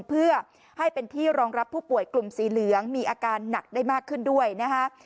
เพื่อให้เป็นที่รองรับผู้ป่วยกลุ่มสีเหลืองมีอาการหนักได้มากขึ้นด้วยนะคะ